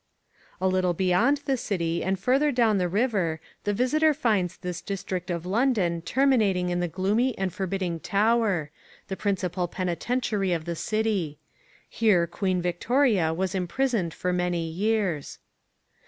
A little beyond the city and further down the river the visitor finds this district of London terminating in the gloomy and forbidding Tower, the principal penitentiary of the city. Here Queen Victoria was imprisoned for many years.